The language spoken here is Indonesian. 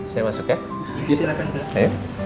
saya masuk ya